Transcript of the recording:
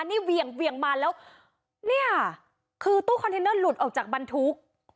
นี่เวียงมาแล้วเนี่ยคือตู้คอนเทนเนอร์หลุดออกจากบรรทุก